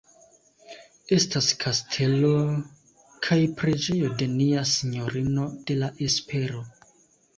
Estas kastelo kaj preĝejo de Nia Sinjorino de la Espero.